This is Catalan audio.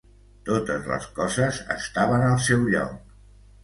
Totes les coses estaven al seu lloc.